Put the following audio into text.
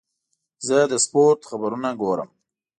زه د سپورت خبرونه ګورم.